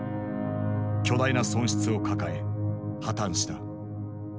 巨大な損失を抱え破綻した。